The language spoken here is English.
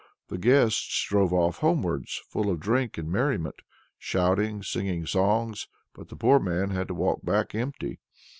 The guests drove off homewards, full of drink and merriment, shouting, singing songs. But the poor man had to walk back empty.